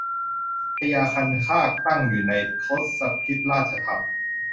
พญาคันคากตั้งอยู่ในทศพิธราชธรรม